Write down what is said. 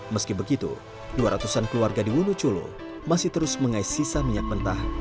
meski begitu dua ratus an keluarga di wonocolo masih terus mengais sisa minyak mentah